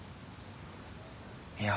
いや。